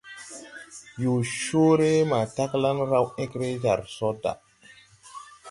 Yõõ coore ma taglaŋ raw egre jar so da.